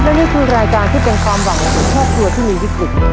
และนี่คือรายการที่เป็นความหวังของทุกครอบครัวที่มีวิกฤต